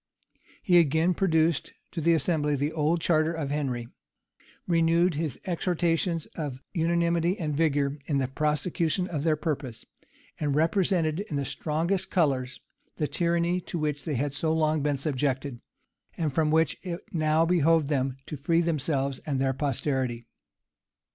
He again produced to the assembly the old charter of Henry; renewed his exhortations of unanimity and vigor in the prosecution of their purpose; and represented in the strongest colors the tyranny to which they had so long been subjected, and from which it now behoved them to free themselves and their posterity.